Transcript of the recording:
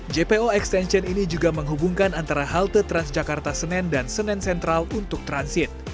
jpo extension ini juga menghubungkan antara halte transjakarta senen dan senen sentral untuk transit